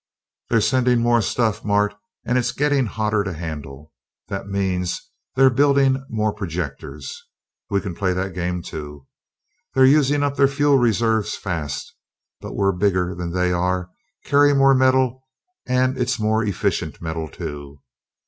"They're sending more stuff, Mart, and it's getting hotter to handle. That means they're building more projectors. We can play that game, too. They're using up their fuel reserves fast; but we're bigger than they are, carry more metal, and it's more efficient metal, too.